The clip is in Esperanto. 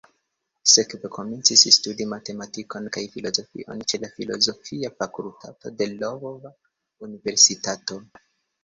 Sekve komencis studi matematikon kaj filozofion ĉe la Filozofia Fakultato de Lvova Universitato.